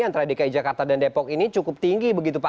antara dki jakarta dan depok ini cukup tinggi begitu pak